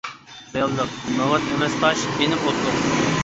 رېئاللىق، ناۋات ئەمەس تاش. ئىنىم ئوتلۇق!